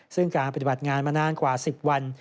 ซึ่งการปฏิบัติงานมานานกว่า๑๐วัน